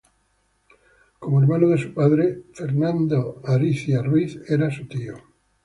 Como hermano de su padre, monseñor Fernando Ariztía Ruiz era su tío.